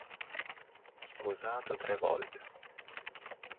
Sposato tre volte.